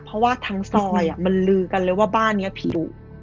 เพราะว่าทั้งซอยมันลือกันเลยว่าบ้านนี้ผิว